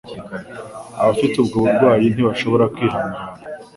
abafite ubwo burwayi ntibashobora kwihangana